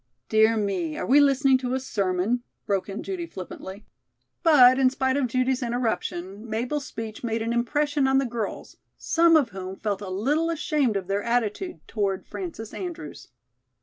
"Dear me, are we listening to a sermon," broke in Judy flippantly. But, in spite of Judy's interruption, Mabel's speech made an impression on the girls, some of whom felt a little ashamed of their attitude toward Frances Andrews.